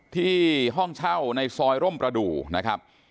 ที่ห้องเช่าในซอยร่มประดูนะครับ